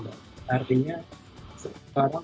artinya sekarang penyelenggaraan